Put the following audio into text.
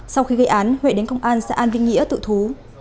sau khi gây án huệ đến công an xã an vĩnh ngãi tự thú